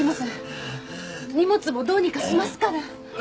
荷物もどうにかしますから。